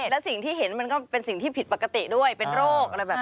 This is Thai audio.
และสิ่งที่เห็นมันก็เป็นสิ่งที่ผิดปกติด้วยเป็นโรคอะไรแบบนี้